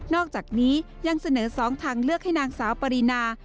อกจากนี้ยังเสนอ๒ทางเลือกให้นางสาวปรินา